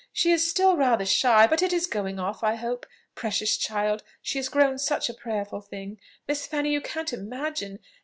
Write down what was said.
She is still rather shy; but it is going off, I hope. Precious child! she is grown such a prayerful thing, Miss Fanny, you can't imagine.